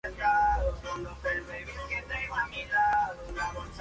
El precio de la operación, cerca de un millón de euros.